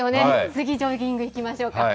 次、ジョギングいきましょうか。